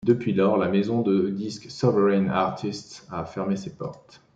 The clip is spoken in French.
Depuis lors, la maison de disques Sovereign Artists a fermé ses portes.